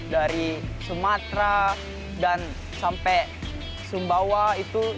dari sumatera dan sampai sumatera